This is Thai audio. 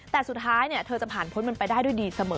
แต่สุดท้ายเธอจะผ่านพ้นมันไปได้ด้วยดีเสมอ